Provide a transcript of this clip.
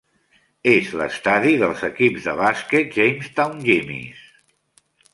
És l'estadi dels equips de bàsquet Jamestown Jimmies.